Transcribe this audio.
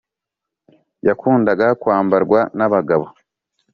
yakundaga kwambarwa n’abagabo.